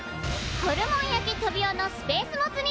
ホルモン焼きトビオのスペースモツ煮！